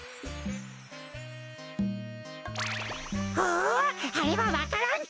ああれはわか蘭か？